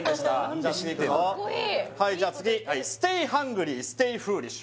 じゃあ次いくぞはいじゃあ次「ステイハングリーステイフーリッシュ」